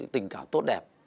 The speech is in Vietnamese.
tình cảm tốt đẹp